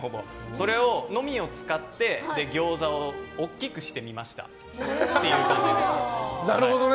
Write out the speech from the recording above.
それのみを使ってギョーザを大きくしてみましたっていう感じです。